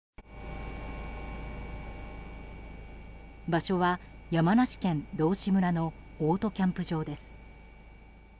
場所は、山梨県道志村のオートキャンプ場です。